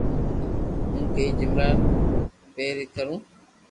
ھون ڪوئي ڪماوُ پئري ڪرو